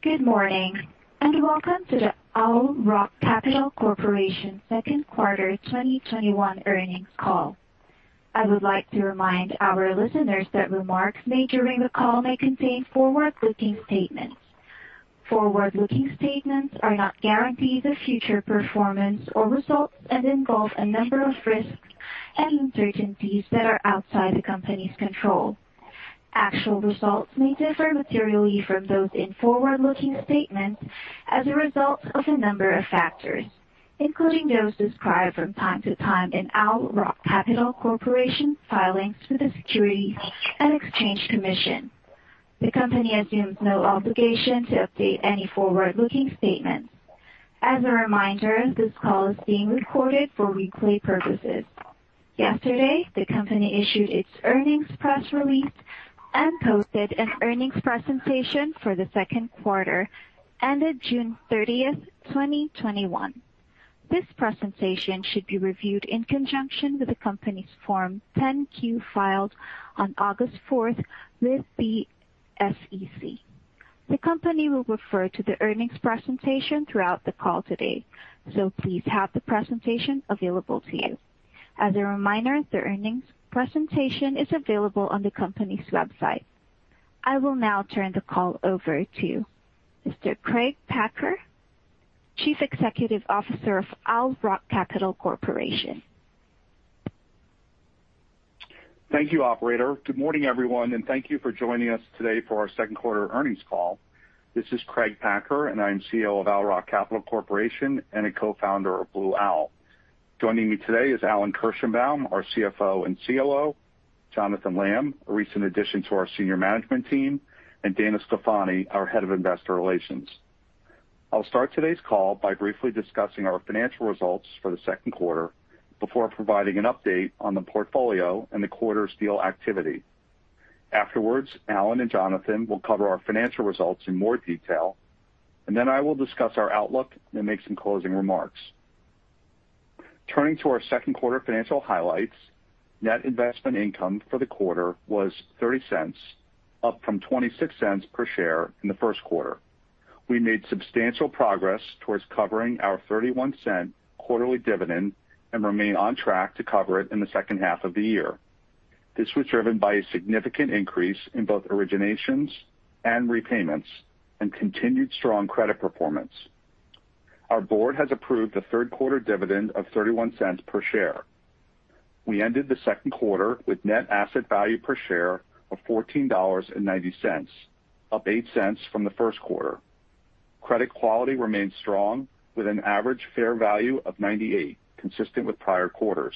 Good morning, and welcome to the Owl Rock Capital Corporation second quarter 2021 earnings call. I would like to remind our listeners that remarks made during the call may contain forward-looking statements. Forward-looking statements are not guarantees of future performance or results and involve a number of risks and uncertainties that are outside the company's control. Actual results may differ materially from those in forward-looking statements as a result of a number of factors, including those described from time to time in Owl Rock Capital Corporation's filings with the Securities and Exchange Commission. The company assumes no obligation to update any forward-looking statements. As a reminder, this call is being recorded for replay purposes. Yesterday, the company issued its earnings press release and posted an earnings presentation for the second quarter ended June 30th, 2021. This presentation should be reviewed in conjunction with the company's Form 10-Q filed on August 4th with the SEC. The company will refer to the earnings presentation throughout the call today, so please have the presentation available to you. As a reminder, the earnings presentation is available on the company's website. I will now turn the call over to Mr. Craig Packer, Chief Executive Officer of Owl Rock Capital Corporation. Thank you, operator. Good morning, everyone, thank you for joining us today for our second quarter earnings call. This is Craig Packer, I am CEO of Owl Rock Capital Corporation and a co-founder of Blue Owl. Joining me today is Alan Kirshenbaum, our Chief Financial Officer and Chief Operating Officer, Jonathan Lamm, a recent addition to our senior management team, and Dana Sclafani, our Head of Investor Relations. I'll start today's call by briefly discussing our financial results for the second quarter before providing an update on the portfolio and the quarter's deal activity. Afterwards, Alan and Jonathan will cover our financial results in more detail, then I will discuss our outlook and make some closing remarks. Turning to our second quarter financial highlights, net investment income for the quarter was $0.30, up from $0.26 per share in the first quarter. We made substantial progress towards covering our $0.31 quarterly dividend and remain on track to cover it in the second half of the year. This was driven by a significant increase in both originations and repayments and continued strong credit performance. Our board has approved a third-quarter dividend of $0.31 per share. We ended the second quarter with net asset value per share of $14.90, up $0.08 from the first quarter. Credit quality remains strong, with an average fair value of 98, consistent with prior quarters.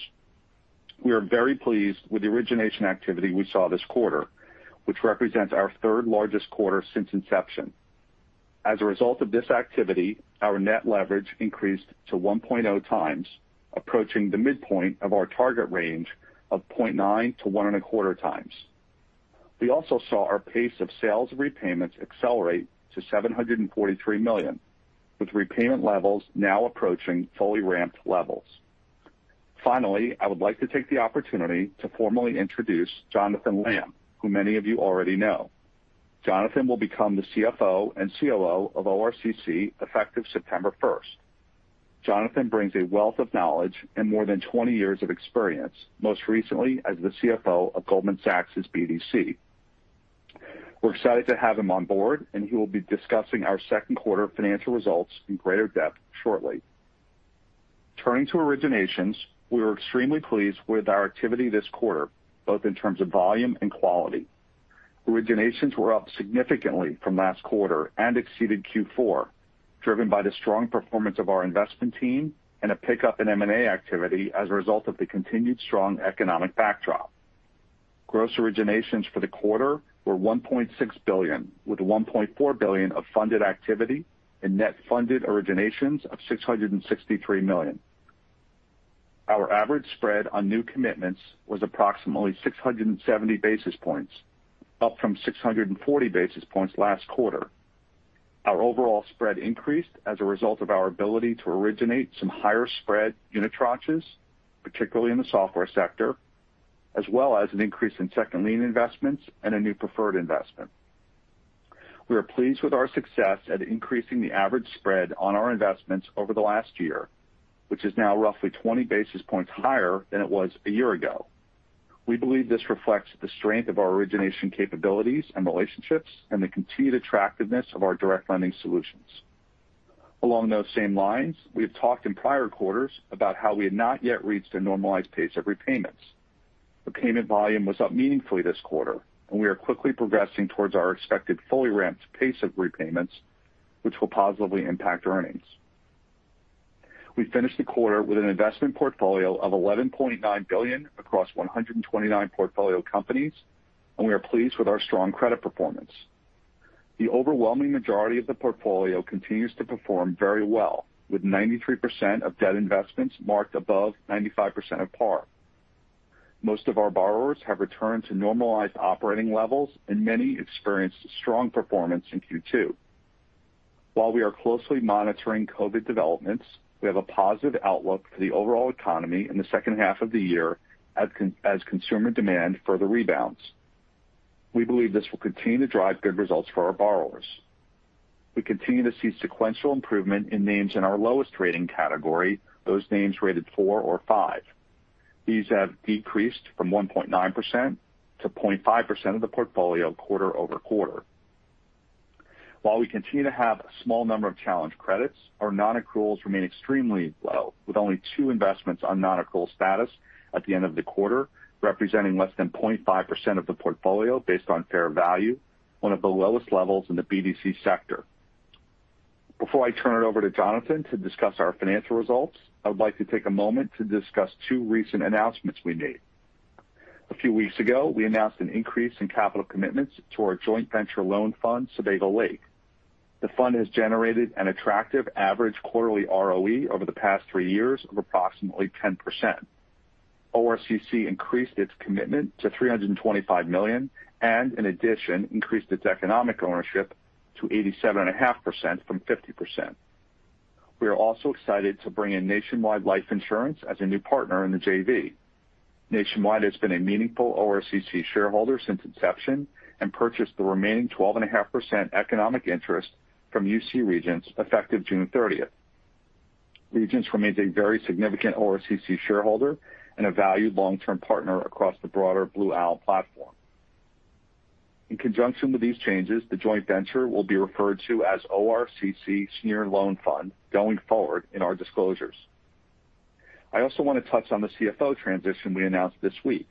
We are very pleased with the origination activity we saw this quarter, which represents our third-largest quarter since inception. As a result of this activity, our net leverage increased to 1.0x, approaching the midpoint of our target range of 0.9x-1.25x. We also saw our pace of sales repayments accelerate to $743 million, with repayment levels now approaching fully ramped levels. I would like to take the opportunity to formally introduce Jonathan Lamm, who many of you already know. Jonathan Lamm will become the CFO and COO of ORCC effective September 1st. Jonathan Lamm brings a wealth of knowledge and more than 20 years of experience, most recently as the CFO of Goldman Sachs' BDC. We're excited to have him on board. He will be discussing our second quarter financial results in greater depth shortly. Turning to originations, we were extremely pleased with our activity this quarter, both in terms of volume and quality. Originations were up significantly from last quarter and exceeded Q4, driven by the strong performance of our investment team and a pickup in M&A activity as a result of the continued strong economic backdrop. Gross originations for the quarter were $1.6 billion, with $1.4 billion of funded activity and net funded originations of $663 million. Our average spread on new commitments was approximately 670 basis points, up from 640 basis points last quarter. Our overall spread increased as a result of our ability to originate some higher spread unitranches, particularly in the software sector, as well as an increase in second lien investments and a new preferred investment. We are pleased with our success at increasing the average spread on our investments over the last year, which is now roughly 20 basis points higher than it was a year ago. We believe this reflects the strength of our origination capabilities and relationships and the continued attractiveness of our direct lending solutions. Along those same lines, we have talked in prior quarters about how we had not yet reached a normalized pace of repayments. Repayment volume was up meaningfully this quarter, and we are quickly progressing towards our expected fully ramped pace of repayments, which will positively impact earnings. We finished the quarter with an investment portfolio of $11.9 billion across 129 portfolio companies, and we are pleased with our strong credit performance. The overwhelming majority of the portfolio continues to perform very well, with 93% of debt investments marked above 95% of par. Most of our borrowers have returned to normalized operating levels, and many experienced strong performance in Q2. While we are closely monitoring COVID developments, we have a positive outlook for the overall economy in the second half of the year as consumer demand further rebounds. We believe this will continue to drive good results for our borrowers. We continue to see sequential improvement in names in our lowest rating category, those names rated four or five. These have decreased from 1.9% to 0.5% of the portfolio quarter-over-quarter. While we continue to have a small number of challenged credits, our non-accruals remain extremely low, with only two investments on non-accrual status at the end of the quarter, representing less than 0.5% of the portfolio based on fair value, one of the lowest levels in the BDC sector. Before I turn it over to Jonathan to discuss our financial results, I would like to take a moment to discuss two recent announcements we made. A few weeks ago, we announced an increase in capital commitments to our joint venture loan fund, Sebago Lake. The fund has generated an attractive average quarterly ROE over the past three years of approximately 10%. ORCC increased its commitment to $325 million and, in addition, increased its economic ownership to 87.5% from 50%. We are also excited to bring in Nationwide Life Insurance Company as a new partner in the JV. Nationwide has been a meaningful ORCC shareholder since inception and purchased the remaining 12.5% economic interest from UC Regents effective June 30th. Regents remains a very significant ORCC shareholder and a valued long-term partner across the broader Blue Owl platform. In conjunction with these changes, the joint venture will be referred to as ORCC Senior Loan Fund going forward in our disclosures. I also want to touch on the CFO transition we announced this week.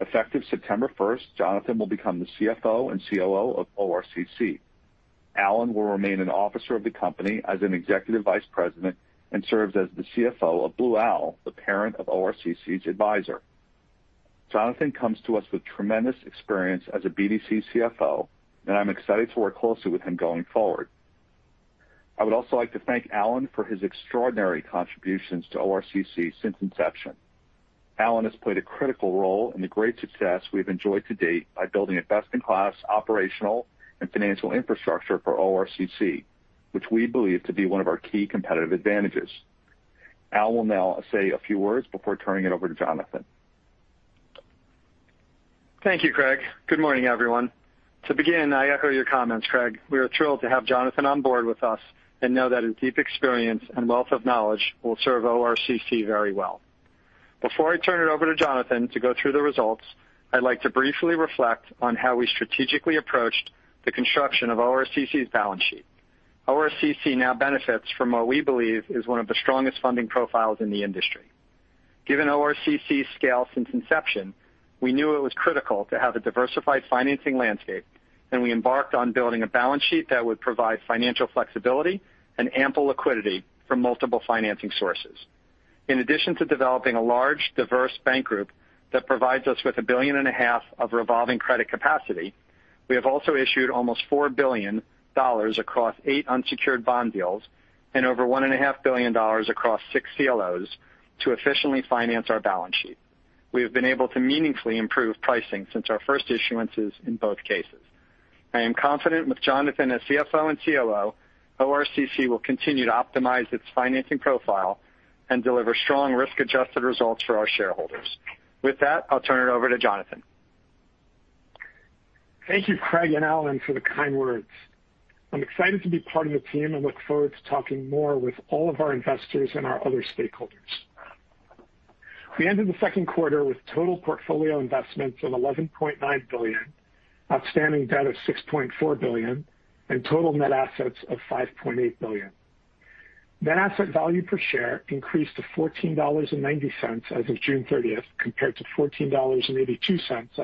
Effective September 1st, Jonathan Lamm will become the CFO and COO of ORCC. Alan Kirshenbaum will remain an officer of the company as an executive Vice President and serves as the CFO of Blue Owl, the parent of ORCC's advisor. Jonathan comes to us with tremendous experience as a BDC CFO, and I'm excited to work closely with him going forward. I would also like to thank Alan for his extraordinary contributions to ORCC since inception. Alan has played a critical role in the great success we've enjoyed to date by building a best-in-class operational and financial infrastructure for ORCC, which we believe to be one of our key competitive advantages. Alan will now say a few words before turning it over to Jonathan. Thank you, Craig. Good morning, everyone. To begin, I echo your comments, Craig. We are thrilled to have Jonathan on board with us and know that his deep experience and wealth of knowledge will serve ORCC very well. Before I turn it over to Jonathan to go through the results, I'd like to briefly reflect on how we strategically approached the construction of ORCC's balance sheet. ORCC now benefits from what we believe is one of the strongest funding profiles in the industry. Given ORCC's scale since inception, we knew it was critical to have a diversified financing landscape, and we embarked on building a balance sheet that would provide financial flexibility and ample liquidity from multiple financing sources. In addition to developing a large, diverse bank group that provides us with $1.5 billion of revolving credit capacity, we have also issued almost $4 billion across eight unsecured bond deals and over $1.5 billion across six CLOs to efficiently finance our balance sheet. We have been able to meaningfully improve pricing since our first issuances in both cases. I am confident with Jonathan as CFO and COO, ORCC will continue to optimize its financing profile and deliver strong risk-adjusted results for our shareholders. With that, I'll turn it over to Jonathan. Thank you, Craig and Alan, for the kind words. I'm excited to be part of the team and look forward to talking more with all of our investors and our other stakeholders. We ended the second quarter with total portfolio investments of $11.9 billion, outstanding debt of $6.4 billion, and total net assets of $5.8 billion. Net asset value per share increased to $14.90 as of June 30th, compared to $14.82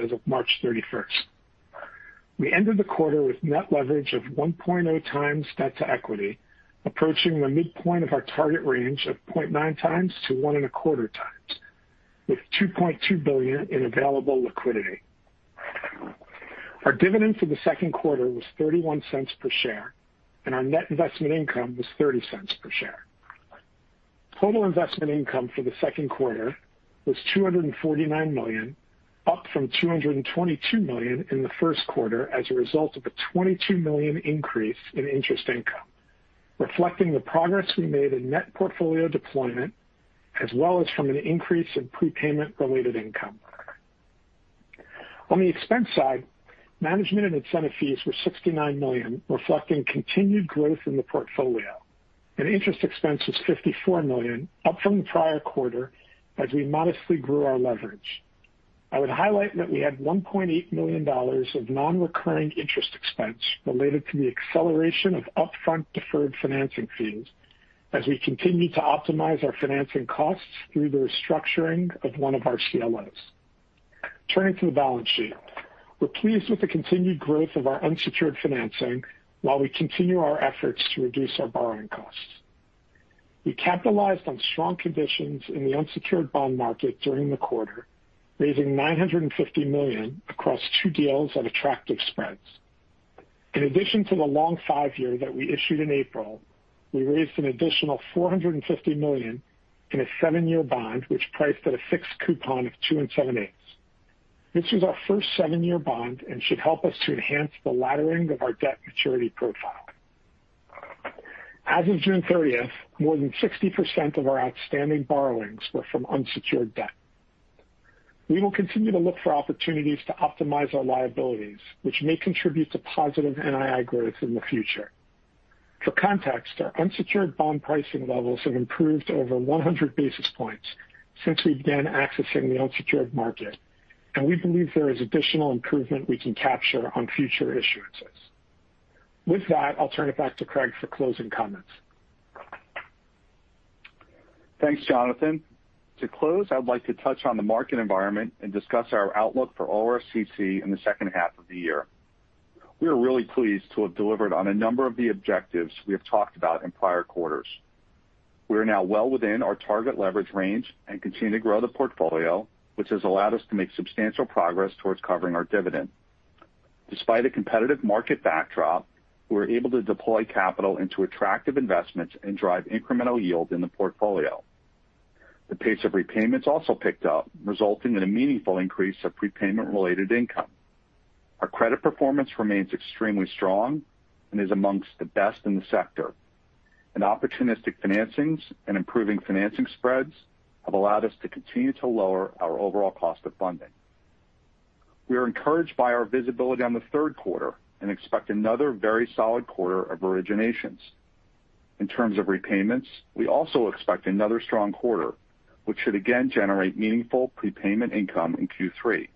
as of March 31st. We ended the quarter with net leverage of 1.0x debt to equity, approaching the midpoint of our target range of 0.9x-1.25x, with $2.2 billion in available liquidity. Our dividend for the second quarter was $0.31 per share, and our net investment income was $0.30 per share. Total investment income for the second quarter was $249 million, up from $222 million in the first quarter as a result of a $22 million increase in interest income, reflecting the progress we made in net portfolio deployment, as well as from an increase in prepayment-related income. On the expense side, management and incentive fees were $69 million, reflecting continued growth in the portfolio. Interest expense was $54 million, up from the prior quarter as we modestly grew our leverage. I would highlight that we had $1.8 million of non-recurring interest expense related to the acceleration of upfront deferred financing fees as we continue to optimize our financing costs through the restructuring of one of our CLOs. Turning to the balance sheet. We're pleased with the continued growth of our unsecured financing while we continue our efforts to reduce our borrowing costs. We capitalized on strong conditions in the unsecured bond market during the quarter, raising $950 million across two deals at attractive spreads. In addition to the long five-year that we issued in April, we raised an additional $450 million in a seven-year bond, which priced at a fixed coupon of two and 7/8. This is our first seven-year bond and should help us to enhance the laddering of our debt maturity profile. As of June 30th, more than 60% of our outstanding borrowings were from unsecured debt. We will continue to look for opportunities to optimize our liabilities, which may contribute to positive NII growth in the future. For context, our unsecured bond pricing levels have improved over 100 basis points since we began accessing the unsecured market, and we believe there is additional improvement we can capture on future issuances. With that, I'll turn it back to Craig for closing comments. Thanks, Jonathan. To close, I would like to touch on the market environment and discuss our outlook for ORCC in the second half of the year. We are really pleased to have delivered on a number of the objectives we have talked about in prior quarters. We are now well within our target leverage range and continue to grow the portfolio, which has allowed us to make substantial progress towards covering our dividend. Despite a competitive market backdrop, we're able to deploy capital into attractive investments and drive incremental yield in the portfolio. The pace of repayments also picked up, resulting in a meaningful increase of prepayment-related income. Our credit performance remains extremely strong and is amongst the best in the sector. Opportunistic financings and improving financing spreads have allowed us to continue to lower our overall cost of funding. We are encouraged by our visibility on the third quarter and expect another very solid quarter of originations. In terms of repayments, we also expect another strong quarter, which should again generate meaningful prepayment income in Q3.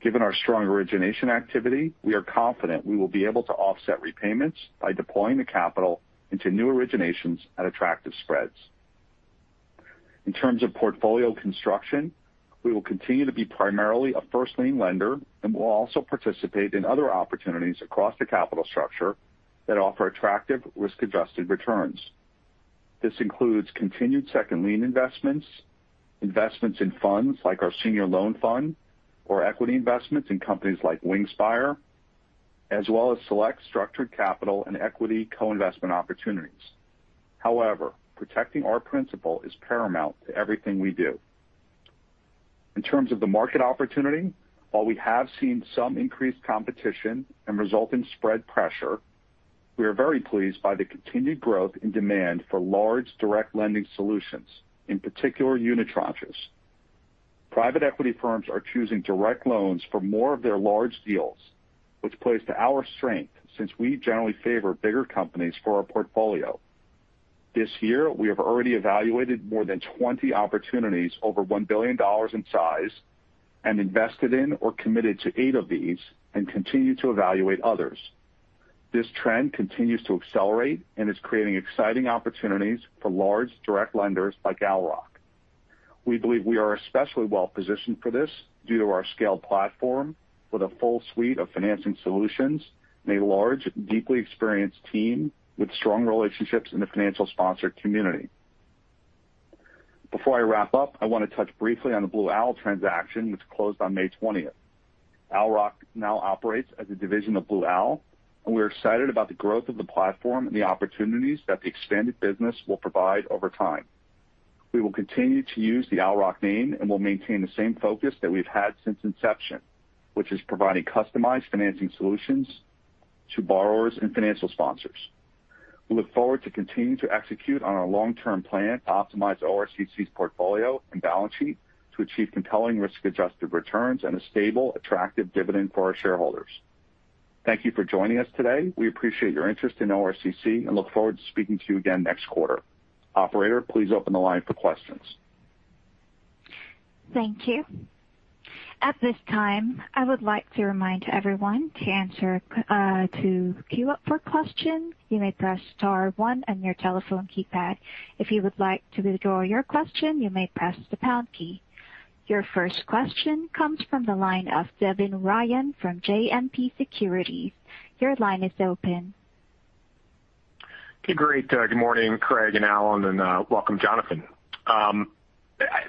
Given our strong origination activity, we are confident we will be able to offset repayments by deploying the capital into new originations at attractive spreads. In terms of portfolio construction, we will continue to be primarily a first-lien lender and will also participate in other opportunities across the capital structure that offer attractive risk-adjusted returns. This includes continued second lien investments in funds like our Senior Loan Fund or equity investments in companies like Wingspire, as well as select structured capital and equity co-investment opportunities. However, protecting our principal is paramount to everything we do. In terms of the market opportunity, while we have seen some increased competition and resulting spread pressure, we are very pleased by the continued growth in demand for large direct lending solutions, in particular unitranches. Private equity firms are choosing direct loans for more of their large deals, which plays to our strength since we generally favor bigger companies for our portfolio. This year, we have already evaluated more than 20 opportunities over $1 billion in size and invested in or committed to eight of these and continue to evaluate others. This trend continues to accelerate and is creating exciting opportunities for large direct lenders like Owl Rock. We believe we are especially well positioned for this due to our scaled platform with a full suite of financing solutions and a large, deeply experienced team with strong relationships in the financial sponsor community. Before I wrap up, I want to touch briefly on the Blue Owl transaction, which closed on May 20th. Owl Rock now operates as a division of Blue Owl, and we are excited about the growth of the platform and the opportunities that the expanded business will provide over time. We will continue to use the Owl Rock name and will maintain the same focus that we've had since inception, which is providing customized financing solutions to borrowers and financial sponsors. We look forward to continuing to execute on our long-term plan to optimize ORCC's portfolio and balance sheet to achieve compelling risk-adjusted returns and a stable, attractive dividend for our shareholders. Thank you for joining us today. We appreciate your interest in ORCC and look forward to speaking to you again next quarter. Operator, please open the line for questions. Thank you. At this time, I would like to remind everyone to queue up for questions, you may press star one on your telephone keypad. If you would like to withdraw your question, you may press the pound key. Your first question comes from the line of Devin Ryan from JMP Securities. Your line is open. Okay, great. Good morning, Craig and Alan, and welcome, Jonathan.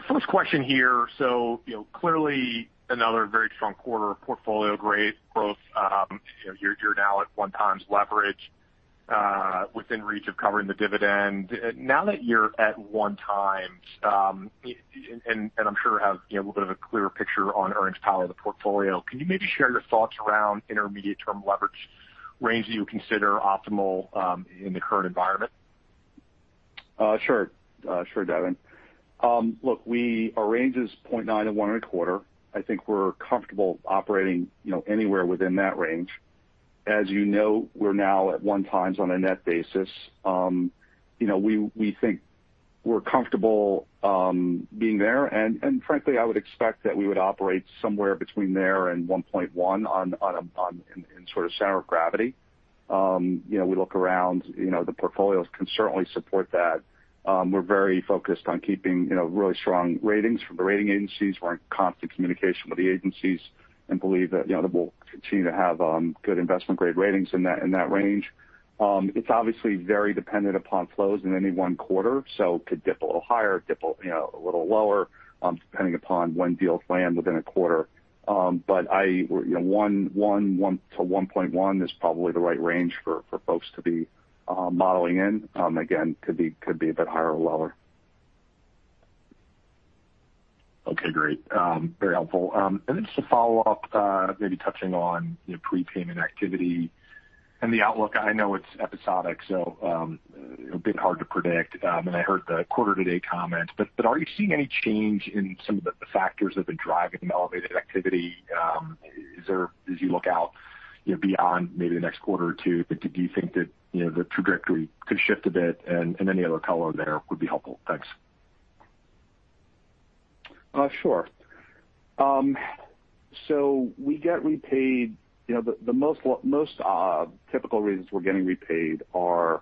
First question here. Clearly another very strong quarter of portfolio growth. You're now at 1x leverage within reach of covering the dividend. Now that you're at 1x, and I'm sure have a little bit of a clearer picture on earnings power of the portfolio, can you maybe share your thoughts around intermediate-term leverage range that you consider optimal in the current environment? Sure, Devin. Look, our range is 0.9x-1.25x. I think we're comfortable operating anywhere within that range. As you know, we're now at 1x on a net basis. We think we're comfortable being there, and frankly, I would expect that we would operate somewhere between there and 1.1x in sort of center of gravity. We look around, the portfolios can certainly support that. We're very focused on keeping really strong ratings from the rating agencies. We're in constant communication with the agencies and believe that we'll continue to have good investment-grade ratings in that range. It's obviously very dependent upon flows in any one quarter, so it could dip a little higher, dip a little lower, depending upon when deals land within a quarter. 1x-1.1x is probably the right range for folks to be modeling in. Could be a bit higher or lower. Okay, great. Very helpful. Just a follow-up, maybe touching on prepayment activity and the outlook. I know it's episodic, so a bit hard to predict. I heard the quarter-to-date comment, are you seeing any change in some of the factors that have been driving elevated activity? As you look out beyond maybe the next quarter or two, do you think that the trajectory could shift a bit? Any other color there would be helpful. Thanks. Sure. We get repaid. The most typical reasons we're getting repaid are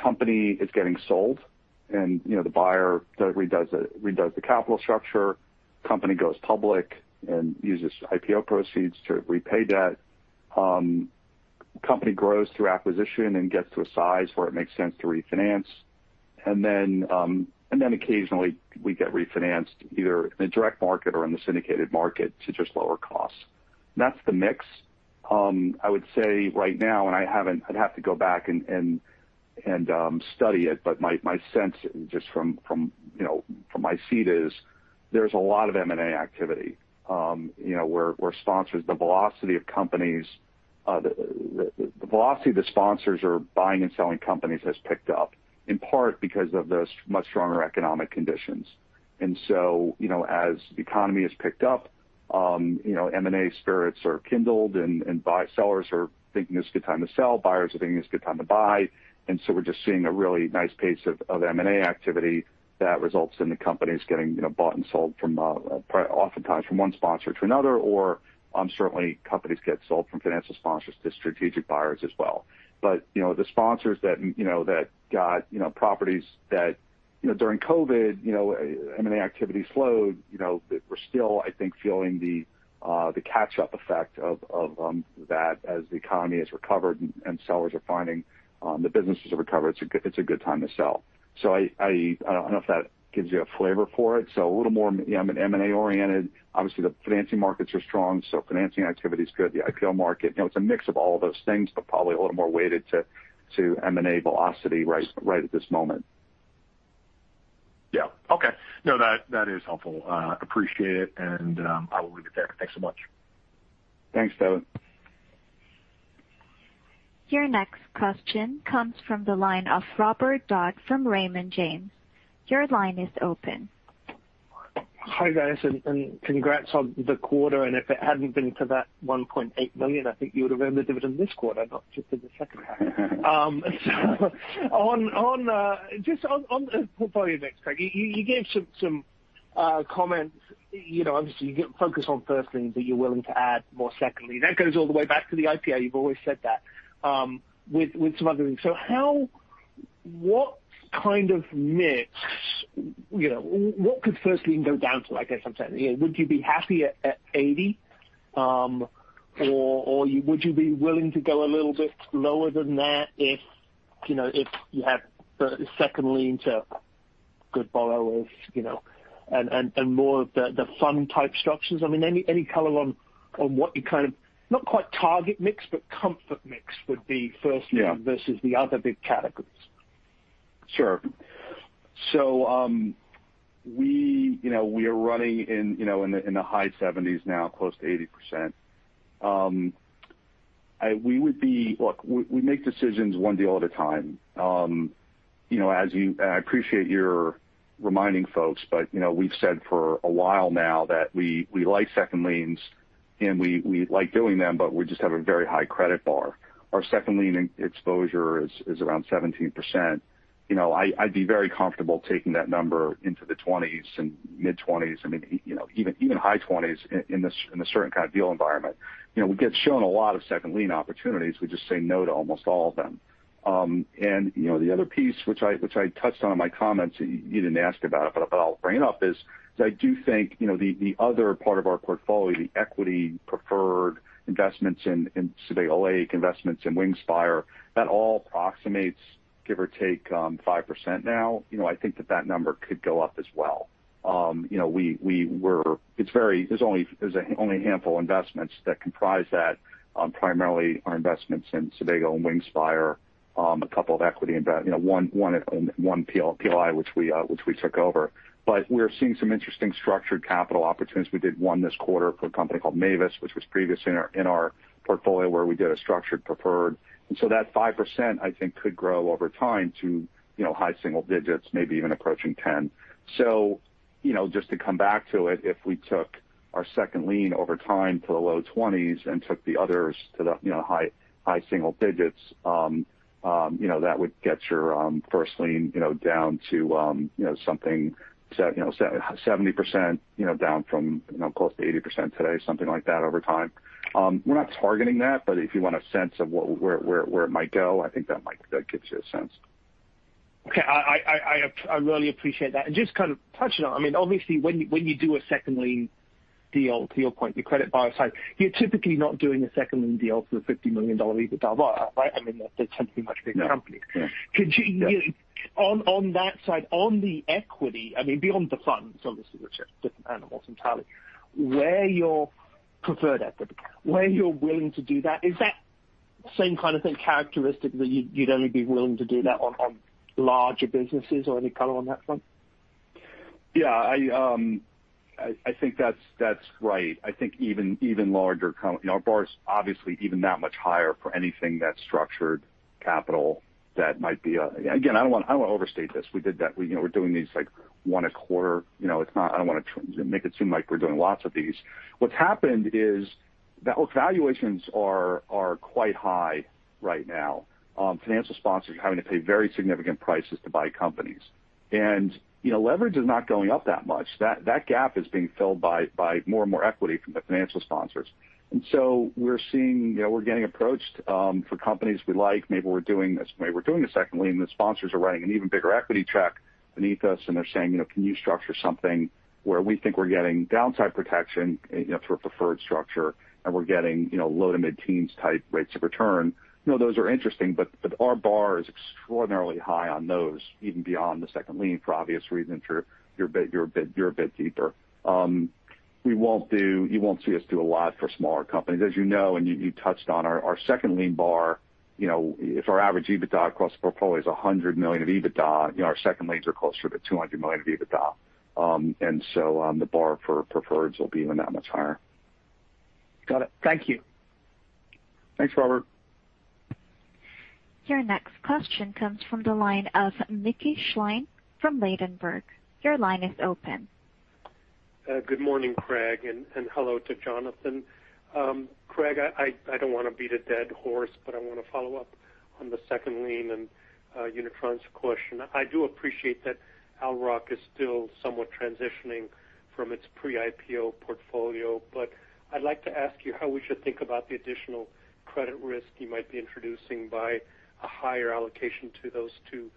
company is getting sold, and the buyer redoes the capital structure. Company goes public and uses IPO proceeds to repay debt. Company grows through acquisition and gets to a size where it makes sense to refinance. Occasionally we get refinanced, either in the direct market or in the syndicated market, to just lower costs. That's the mix. I would say right now, and I'd have to go back and study it, but my sense, just from my seat, is there's a lot of M&A activity where sponsors, the velocity that sponsors are buying and selling companies has picked up, in part because of the much stronger economic conditions. As the economy has picked up, M&A spirits are kindled and sellers are thinking it's a good time to sell. Buyers are thinking it's a good time to buy. We're just seeing a really nice pace of M&A activity that results in the companies getting bought and sold oftentimes from one sponsor to another, or certainly companies get sold from financial sponsors to strategic buyers as well. The sponsors that got properties that during COVID, M&A activity slowed. We're still, I think, feeling the catch-up effect of that as the economy has recovered and sellers are finding the businesses have recovered. It's a good time to sell. I don't know if that gives you a flavor for it. A little more M&A-oriented. Obviously, the financing markets are strong, so financing activity is good. The IPO market, it's a mix of all those things, but probably a little more weighted to M&A velocity right at this moment. Yeah. Okay. No, that is helpful. Appreciate it, and I will leave it there. Thanks so much. Thanks, Devin. Your next question comes from the line of Robert Dodd from Raymond James. Your line is open. Hi, guys. Congrats on the quarter. If it hadn't been for that $1.8 million, I think you would have earned the dividend this quarter, not just in the second half. Just on the portfolio mix, Craig, you gave some comments. Obviously, you focus on first lien, but you're willing to add more second lien. That goes all the way back to the IPO. You've always said that with some other things. What could first lien go down to, I guess I'm saying? Would you be happy at 80%? Or would you be willing to go a little bit lower than that if you have the second lien to good borrowers and more of the fund-type structures? Any color on what you, not quite target mix, but comfort mix would be first lien- Yeah versus the other big categories? Sure. We are running in the high 70s now, close to 80%. Look, we make decisions one deal at a time. I appreciate your reminding folks, but we've said for a while now that we like second liens, and we like doing them, but we just have a very high credit bar. Our second lien exposure is around 17%. I'd be very comfortable taking that number into the 20s and mid-20s. Even high 20s in a certain kind of deal environment. We get shown a lot of second lien opportunities. We just say no to almost all of them. The other piece which I touched on in my comments, you didn't ask about it, but I'll bring it up, is I do think the other part of our portfolio, the equity preferred investments in Sebago Lake, investments in Wingspire, that all approximates, give or take, 5% now. I think that that number could go up as well. There's only a handful of investments that comprise that. Primarily our investments in Sebago and Windspire, a couple of equity invest-- One PLI, which we took over. We're seeing some interesting structured capital opportunities. We did one this quarter for a company called Mavis, which was previously in our portfolio, where we did a structured preferred. That 5%, I think, could grow over time to high single digits, maybe even approaching 10. Just to come back to it, if we took our second lien over time to the low 20s and took the others to the high single digits, that would get your first lien down to something, 70% down from close to 80% today, something like that over time. We're not targeting that, but if you want a sense of where it might go, I think that gives you a sense. Okay. I really appreciate that. Just kind of touching on it, obviously when you do a second lien deal, to your point, your credit buyer side, you're typically not doing a second lien deal for a $50 million EBITDA buyer, right? That tends to be much bigger companies. Yeah. On that side, on the equity, beyond the funds, obviously, which are different animals entirely. Where your preferred equity, where you're willing to do that, Same kind of thing, characteristic that you'd only be willing to do that on larger businesses or any color on that front? Yeah. I think that's right. I think our bar is obviously even that much higher for anything that's structured capital. Again, I don't want to overstate this. We're doing these one a quarter. I don't want to make it seem like we're doing lots of these. What's happened is valuations are quite high right now. Financial sponsors are having to pay very significant prices to buy companies. Leverage is not going up that much. That gap is being filled by more and more equity from the financial sponsors. We're getting approached for companies we like. Maybe we're doing a second lien. The sponsors are running an even bigger equity track beneath us. They're saying, "Can you structure something where we think we're getting downside protection for a preferred structure, and we're getting low- to mid-teens type rates of return?" Those are interesting. Our bar is extraordinarily high on those, even beyond the second lien for obvious reasons. You're a bit deeper. You won't see us do a lot for smaller companies. As you know, you touched on our second lien bar. If our average EBITDA across the portfolio is $100 million of EBITDA, our second liens are closer to $200 million of EBITDA. The bar for preferreds will be even that much higher. Got it. Thank you. Thanks, Robert. Your next question comes from the line of Mickey Schleien from Ladenburg. Your line is open. Good morning, Craig, and hello to Jonathan. Craig, I don't want to beat a dead horse, but I want to follow up on the second lien and unitranche question. I do appreciate that Owl Rock is still somewhat transitioning from its pre-IPO portfolio. I'd like to ask you how we should think about the additional credit risk you might be introducing by a higher allocation to those two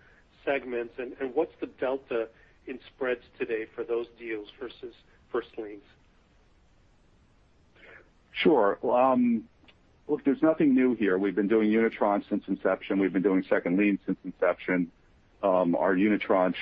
segments. What's the delta in spreads today for those deals versus first liens? Sure. Look, there's nothing new here. We've been doing unitranche since inception. We've been doing second lien since inception. Our unitranche,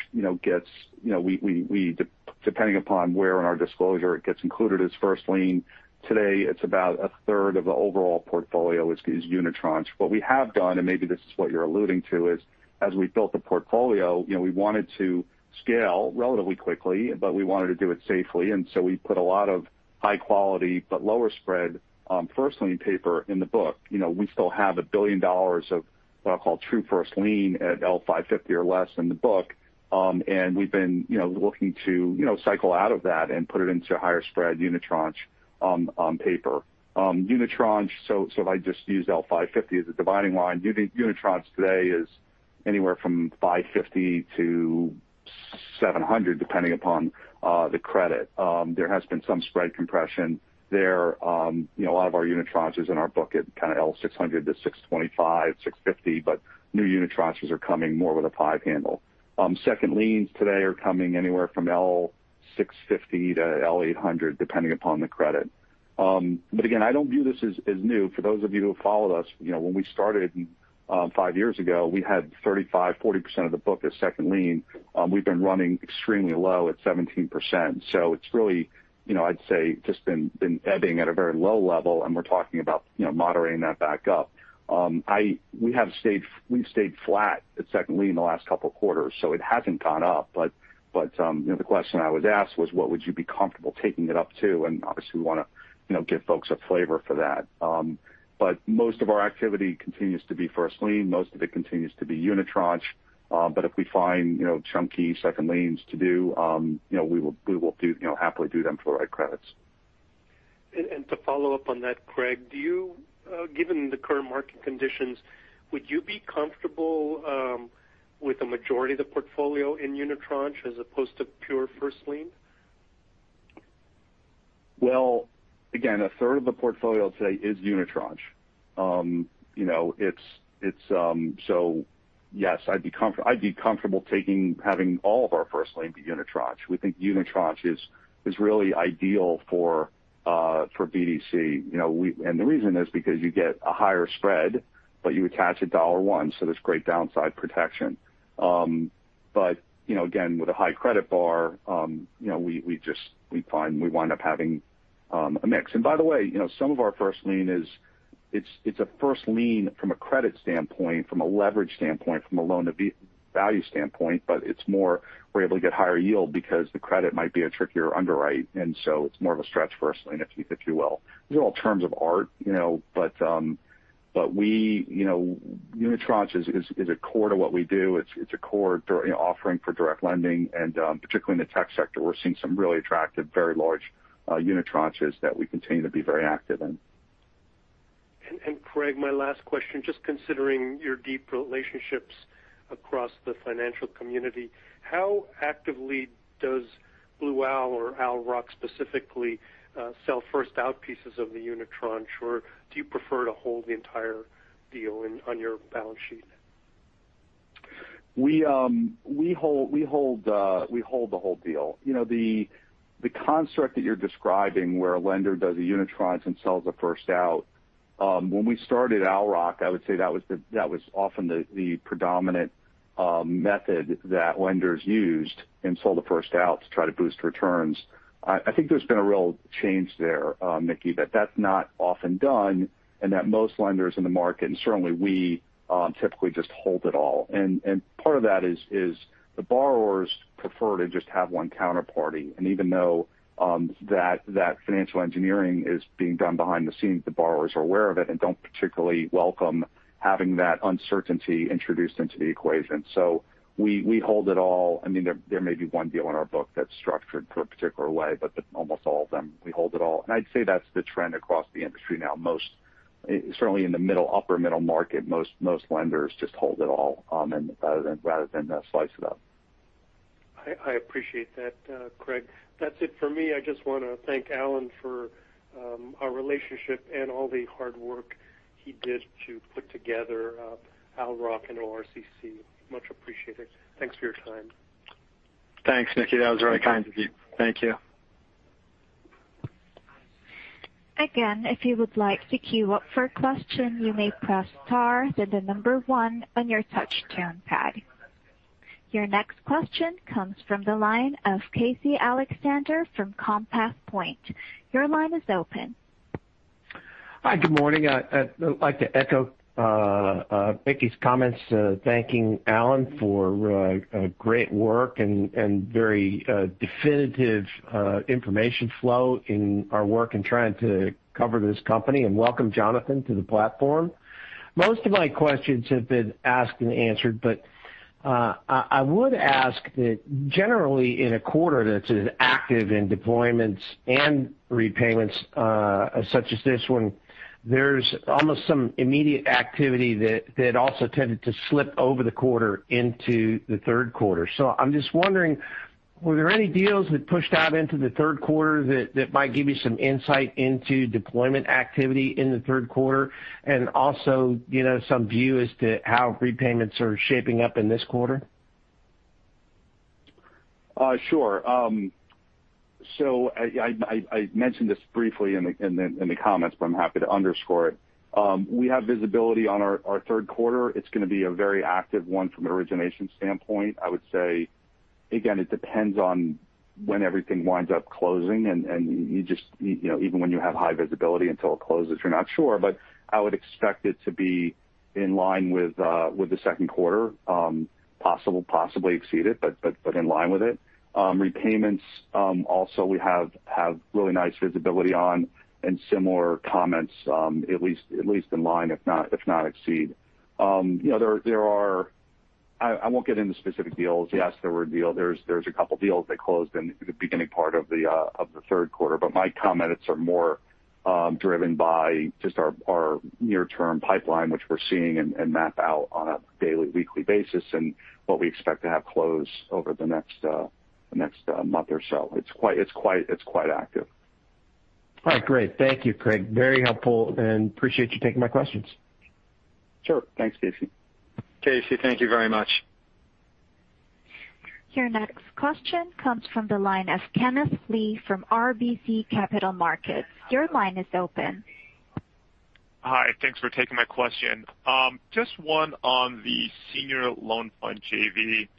depending upon where in our disclosure it gets included as first lien. Today, it's about a third of the overall portfolio is unitranche. What we have done, and maybe this is what you're alluding to, is as we built the portfolio, we wanted to scale relatively quickly, but we wanted to do it safely. We put a lot of high quality but lower spread first lien paper in the book. We still have $1 billion of what I'll call true first lien at L 550 or less in the book. We've been looking to cycle out of that and put it into a higher spread unitranche on paper. Unitranche. If I just use L 550 as a dividing line, unitranche today is anywhere from 550 to 700, depending upon the credit. There has been some spread compression there. A lot of our unitranches in our book at kind of L 600 to 625, 650. New unitranches are coming more with a 5 handle. Second liens today are coming anywhere from L 650-L 800, depending upon the credit. Again, I don't view this as new. For those of you who followed us, when we started five years ago, we had 35%, 40% of the book as second lien. We've been running extremely low at 17%. It's really, I'd say, just been ebbing at a very low level. We're talking about moderating that back up. We've stayed flat at second lien in the last couple of quarters, so it hasn't gone up. The question I was asked was, what would you be comfortable taking it up to? Obviously we want to give folks a flavor for that. Most of our activity continues to be first lien. Most of it continues to be unitranche. If we find chunky second liens to do, we will happily do them for the right credits. To follow up on that, Craig, given the current market conditions, would you be comfortable with the majority of the portfolio in unitranche as opposed to pure first lien? Well, again, a third of the portfolio today is unitranche. Yes, I'd be comfortable having all of our first lien be unitranche. We think unitranche is really ideal for BDC. The reason is because you get a higher spread, but you attach at dollar one. There's great downside protection. Again, with a high credit bar we wind up having a mix. By the way, some of our first lien is it's a first lien from a credit standpoint, from a leverage standpoint, from a loan to value standpoint. It's more we're able to get higher yield because the credit might be a trickier underwrite. It's more of a stretch first lien, if you will. These are all terms of art. Unitranche is a core to what we do. It's a core offering for direct lending. Particularly in the tech sector, we're seeing some really attractive, very large unitranches that we continue to be very active in. Craig, my last question. Just considering your deep relationships across the financial community, how actively does Blue Owl or Owl Rock specifically sell first out pieces of the unitranche? Do you prefer to hold the entire deal on your balance sheet? We hold the whole deal. The construct that you're describing where a lender does a unitranche and sells a first out. When we started Owl Rock, I would say that was often the predominant method that lenders used and sold the first out to try to boost returns. I think there's been a real change there, Mickey, that that's not often done and that most lenders in the market, certainly we typically just hold it all. Part of that is the borrowers prefer to just have one counterparty. Even though that financial engineering is being done behind the scenes, the borrowers are aware of it and don't particularly welcome having that uncertainty introduced into the equation. We hold it all. There may be one deal in our book that's structured for a particular way, but almost all of them, we hold it all. I'd say that's the trend across the industry now. Certainly in the middle, upper middle market, most lenders just hold it all, rather than slice it up. I appreciate that, Craig. That's it for me. I just want to thank Alan for our relationship and all the hard work he did to put together Owl Rock and ORCC. Much appreciated. Thanks for your time. Thanks, Mickey. That was very kind of you. Thank you. Your next question comes from the line of Casey Alexander from Compass Point. Your line is open. Hi. Good morning. I'd like to echo Mickey's comments, thanking Alan for great work and very definitive information flow in our work in trying to cover this company. Welcome Jonathan to the platform. I would ask that generally in a quarter that's as active in deployments and repayments such as this one, there's almost some immediate activity that also tended to slip over the quarter into the third quarter. I'm just wondering, were there any deals that pushed out into the third quarter that might give you some insight into deployment activity in the third quarter, and also some view as to how repayments are shaping up in this quarter? Sure. I mentioned this briefly in the comments, but I'm happy to underscore it. We have visibility on our third quarter. It's going to be a very active one from an origination standpoint. I would say, again, it depends on when everything winds up closing. Even when you have high visibility, until it closes, you're not sure. I would expect it to be in line with the second quarter. Possibly exceed it, but in line with it. Repayments, also we have really nice visibility on and similar comments, at least in line, if not exceed. I won't get into specific deals. Yes, there's a couple deals that closed in the beginning part of the third quarter. My comments are more driven by just our near-term pipeline, which we're seeing and map out on a daily, weekly basis, and what we expect to have close over the next month or so. It's quite active. All right. Great. Thank you, Craig. Very helpful and appreciate you taking my questions. Sure. Thanks, Casey. Casey, thank you very much. Your next question comes from the line of Kenneth Lee from RBC Capital Markets. Your line is open. Hi. Thanks for taking my question. Just one on the Senior Loan Fund JV.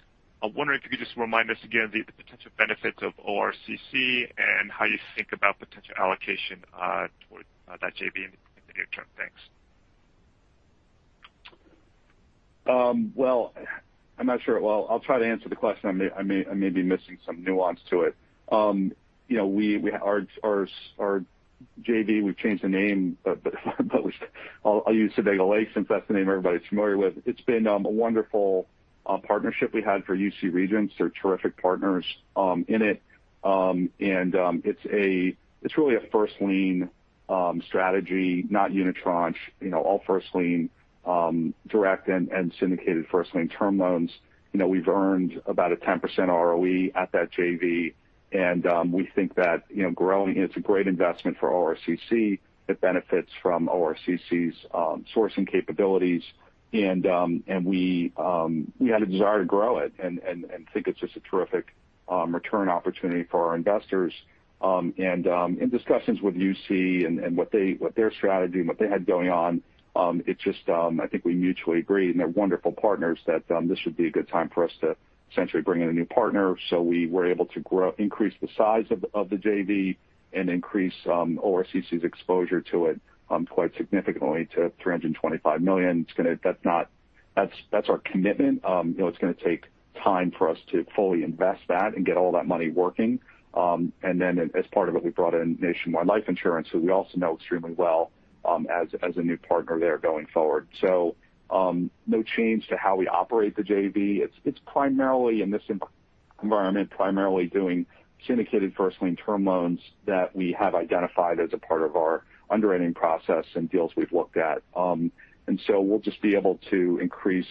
I wonder if you could just remind us again the potential benefits of ORCC and how you think about potential allocation towards that JV in the near term. Thanks. Well, I'm not sure. Well, I'll try to answer the question. I may be missing some nuance to it. Our JV, we've changed the name, but I'll use Sebago Lake since that's the name everybody's familiar with. It's been a wonderful partnership we had for UC Regents. They're terrific partners in it. It's really a first lien strategy, not unitranche. All first lien direct and syndicated first lien term loans. We've earned about a 10% ROE at that JV, and we think that growing it's a great investment for ORCC. It benefits from ORCC's sourcing capabilities, and we had a desire to grow it. Think it's just a terrific return opportunity for our investors. In discussions with UC and what their strategy and what they had going on, I think we mutually agreed, and they're wonderful partners, that this would be a good time for us to essentially bring in a new partner. We were able to increase the size of the JV and increase ORCC's exposure to it quite significantly to $325 million. That's our commitment. It's going to take time for us to fully invest that and get all that money working. As part of it, we brought in Nationwide Life Insurance, who we also know extremely well as a new partner there going forward. No change to how we operate the JV. It's primarily in this environment, primarily doing syndicated 1st lien term loans that we have identified as a part of our underwriting process and deals we've looked at. We'll just be able to increase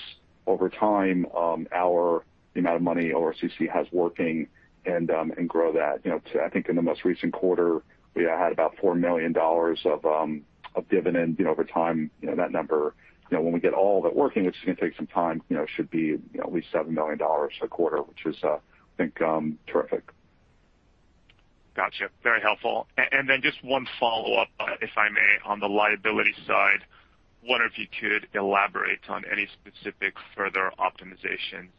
over time our amount of money ORCC has working and grow that. I think in the most recent quarter, we had about $4 million of dividend over time. That number, when we get all of it working, which is going to take some time, should be at least $7 million a quarter, which is I think terrific. Gotcha. Very helpful. Just one follow-up, if I may. On the liability side, wonder if you could elaborate on any specific further optimizations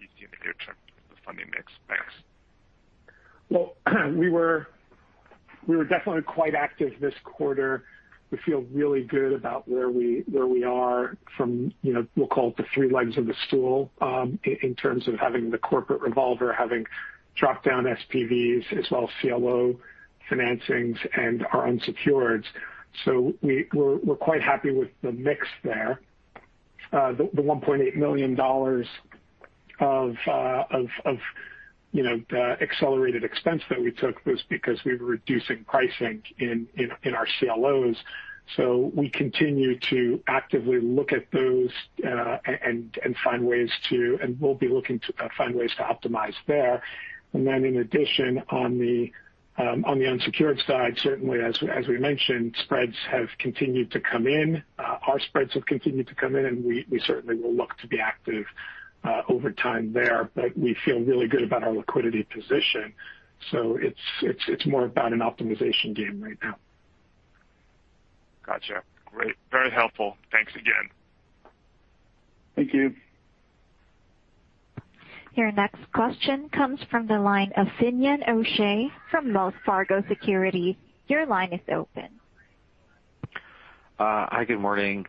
you see in the near term for the funding mix. Thanks. Well, we were definitely quite active this quarter. We feel really good about where we are from, we'll call it the three legs of the stool, in terms of having the corporate revolver, having drop-down SPVs as well as CLO financings and our unsecureds. We're quite happy with the mix there. The $1.8 million of accelerated expense that we took was because we were reducing pricing in our CLOs. We continue to actively look at those and we'll be looking to find ways to optimize there. Then in addition, on the unsecured side, certainly as we mentioned, spreads have continued to come in. Our spreads have continued to come in, we certainly will look to be active over time there. We feel really good about our liquidity position. It's more about an optimization game right now. Gotcha. Great. Very helpful. Thanks again. Thank you. Your next question comes from the line of Finian O'Shea from Wells Fargo Securities. Your line is open. Hi, good morning.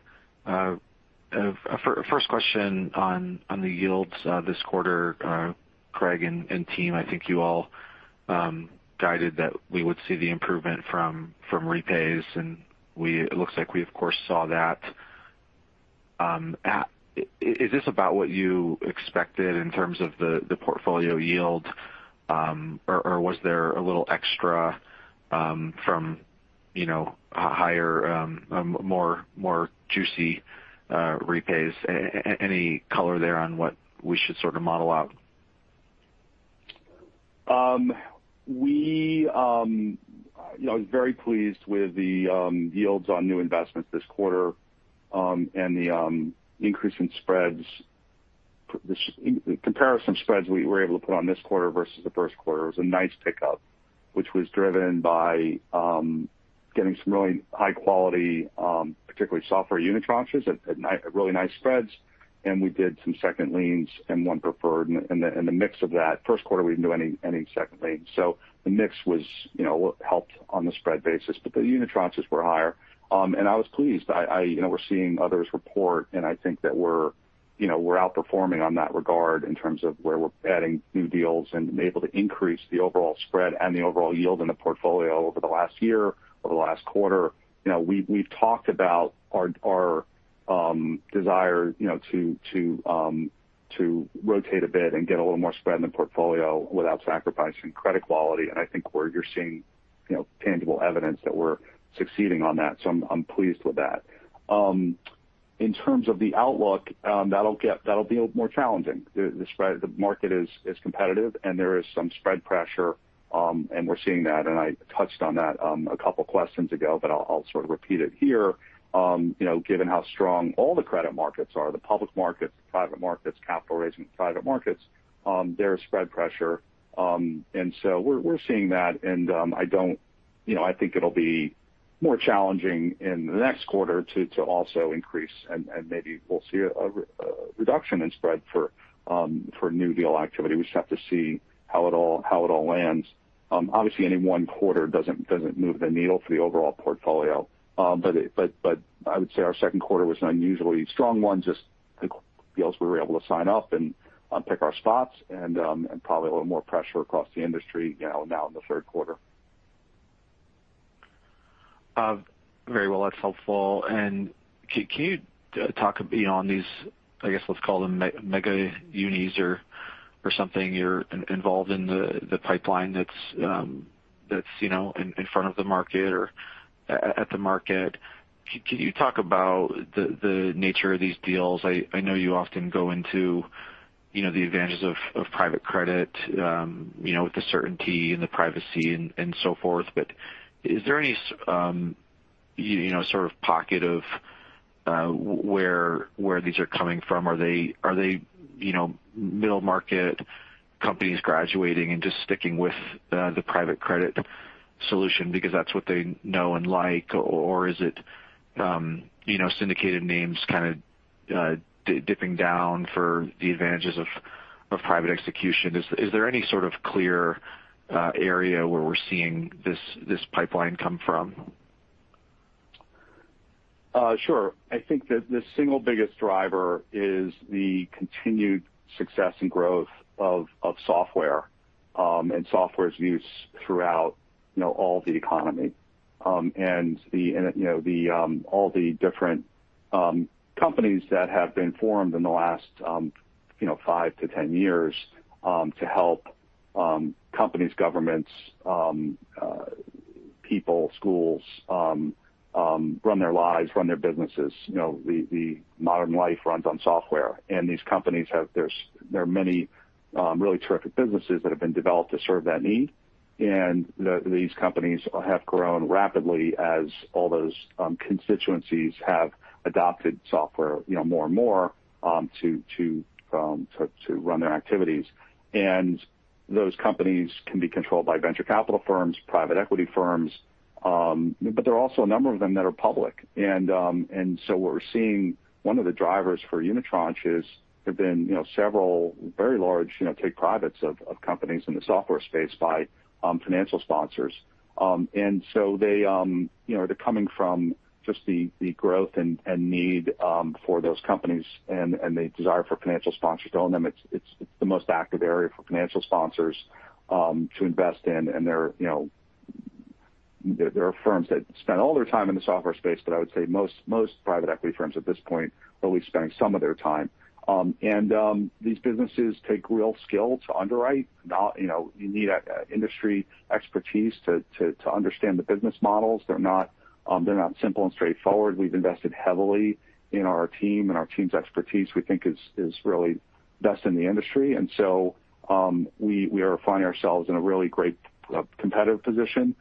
First question on the yields this quarter. Craig and team, I think you all guided that we would see the improvement from repays, and it looks like we of course saw that. Is this about what you expected in terms of the portfolio yield? Or was there a little extra from higher, more juicy repays? Any color there on what we should sort of model out? I was very pleased with the yields on new investments this quarter. The increase in comparison spreads we were able to put on this quarter versus the 1st quarter. It was a nice pickup, which was driven by getting some really high quality, particularly software unitranches at really nice spreads. We did some second liens and one preferred. The mix of that. First quarter, we didn't do any second liens. The mix helped on the spread basis, but the unitranches were higher. I was pleased. We're seeing others report, and I think that we're outperforming on that regard in terms of where we're adding new deals and able to increase the overall spread and the overall yield in the portfolio over the last year, over the last quarter. We've talked about our desire to rotate a bit and get a little more spread in the portfolio without sacrificing credit quality. I think where you're seeing tangible evidence that we're succeeding on that. I'm pleased with that. In terms of the outlook, that'll be more challenging. The market is competitive, and there is some spread pressure, and we're seeing that, and I touched on that a couple questions ago, but I'll sort of repeat it here. Given how strong all the credit markets are, the public markets, the private markets, capital raising private markets, there is spread pressure. We're seeing that, and I think it'll be more challenging in the next quarter to also increase, and maybe we'll see a reduction in spread for new deal activity. We just have to see how it all lands. Obviously, any one quarter doesn't move the needle for the overall portfolio. I would say our second quarter was an unusually strong one, just the deals we were able to sign up and pick our spots and probably a little more pressure across the industry now in the third quarter. Very well. That's helpful. Can you talk beyond these, I guess let's call them mega units or something. You're involved in the pipeline that's in front of the market or at the market. Can you talk about the nature of these deals? I know you often go into the advantages of private credit with the certainty and the privacy and so forth. Is there any sort of pocket of where these are coming from? Are they middle-market companies graduating and just sticking with the private credit solution because that's what they know and like? Is it syndicated names kind of dipping down for the advantages of private execution? Is there any sort of clear area where we're seeing this pipeline come from? Sure. I think that the single biggest driver is the continued success and growth of software, and software's use throughout all the economy. All the different companies that have been formed in the last five-10 years to help companies, governments, people, schools run their lives, run their businesses. The modern life runs on software. These companies, there are many really terrific businesses that have been developed to serve that need. These companies have grown rapidly as all those constituencies have adopted software more and more to run their activities. Those companies can be controlled by venture capital firms, private equity firms. There are also a number of them that are public. What we're seeing, one of the drivers for unitranches, there've been several very large take-privates of companies in the software space by financial sponsors. They're coming from just the growth and need for those companies and the desire for financial sponsors to own them. It's the most active area for financial sponsors to invest in. There are firms that spend all their time in the software space, but I would say most private equity firms at this point are at least spending some of their time. These businesses take real skill to underwrite. You need industry expertise to understand the business models. They're not simple and straightforward. We've invested heavily in our team, and our team's expertise, we think, is really best in the industry. We are finding ourselves in a really great competitive position.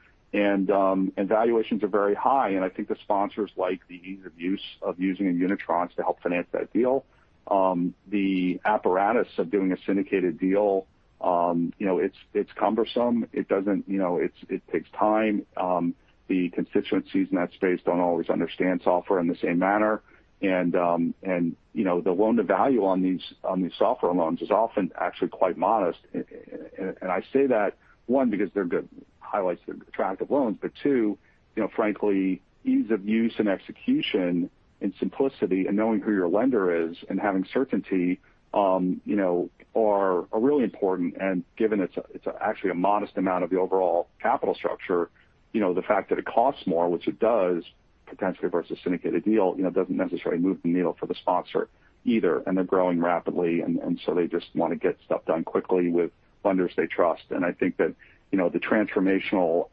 Valuations are very high, and I think the sponsors like the ease of use of using a unitranche to help finance that deal. The apparatus of doing a syndicated deal, it's cumbersome. It takes time. The constituencies in that space don't always understand software in the same manner. The loan-to-value on these software loans is often actually quite modest. I say that, one, because they're good highlights, they're attractive loans, but two, frankly, ease of use and execution and simplicity and knowing who your lender is and having certainty are really important. Given it's actually a modest amount of the overall capital structure, the fact that it costs more, which it does, potentially versus syndicated deal, doesn't necessarily move the needle for the sponsor either. They're growing rapidly, and so they just want to get stuff done quickly with lenders they trust. I think that the transformational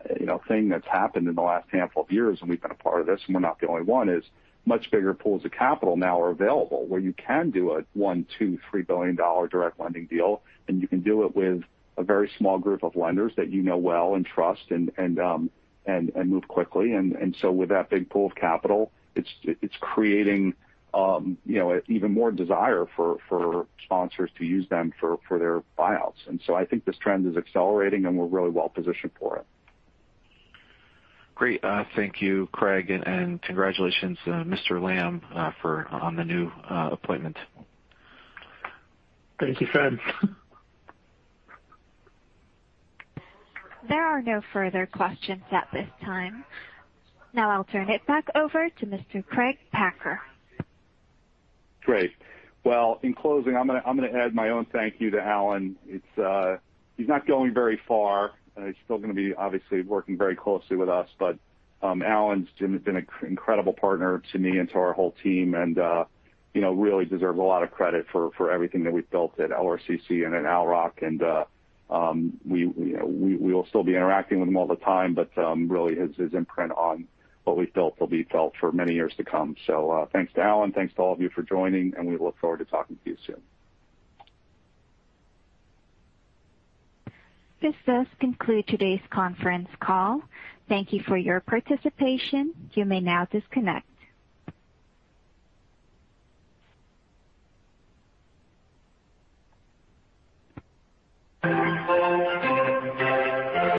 thing that's happened in the last handful of years, and we've been a part of this, and we're not the only one, is much bigger pools of capital now are available where you can do a $1 billion, $2 billion, $3 billion direct lending deal, and you can do it with a very small group of lenders that you know well and trust and move quickly. With that big pool of capital, it's creating even more desire for sponsors to use them for their buyouts. I think this trend is accelerating, and we're really well positioned for it. Great. Thank you, Craig, and congratulations, Jonathan Lamm, on the new appointment. Thank you, Finian O'Shea. There are no further questions at this time. Now I'll turn it back over to Mr. Craig Packer. Well, in closing, I'm going to add my own thank you to Alan. He's not going very far. He's still going to be obviously working very closely with us. Alan's been an incredible partner to me and to our whole team and really deserve a lot of credit for everything that we've built at ORCC and at Owl Rock. We will still be interacting with him all the time, but really his imprint on what we've built will be felt for many years to come. Thanks to Alan, thanks to all of you for joining, and we look forward to talking to you soon. This does conclude today's conference call. Thank you for your participation. You may now disconnect.